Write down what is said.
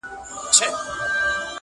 o هم لری، هم ناولی، هم ناوخته راستولی!